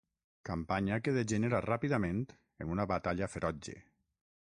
Campanya que degenera ràpidament en una batalla ferotge.